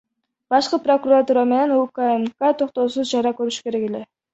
Башкы прокуратура менен УКМК токтоосуз чара көрүшү керек эле.